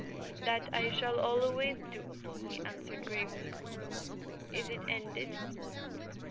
"That I shall always do," he answered gravely. "Is it ended?"